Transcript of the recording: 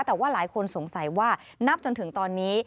แต่ว่าหลายคนสงสัยว่านับจนถึงตอนนี้